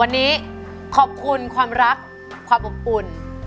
วันนี้ขอบคุณความรักความอบอุ่น